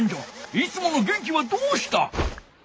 いつもの元気はどうした？